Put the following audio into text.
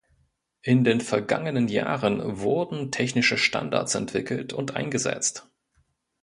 In den vergangenen Jahren wurden technische Standards entwickelt und eingesetzt.